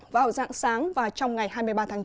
vào dạng sáng và trong ngày hai mươi ba tháng chín